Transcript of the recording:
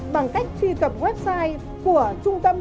bằng cách truy cập website của